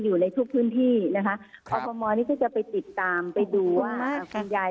อยู่ในทุกพื้นที่นะคะอฟมนี่ก็จะไปติดตามไปดูว่าคุณยาย